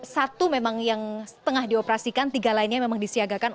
satu memang yang setengah dioperasikan tiga lainnya memang disiagakan